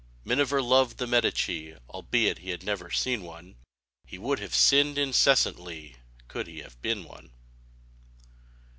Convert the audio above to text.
Miniver loved the Medici, Albeit he had never seen one; He would have sinned incessantly Could he have been one.